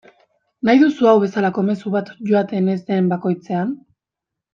Nahi duzu hau bezalako mezu bat joaten ez den bakoitzean.